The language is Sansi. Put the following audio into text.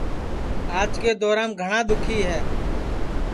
آج کے دورام گھٹؔا دؔوکھی ہے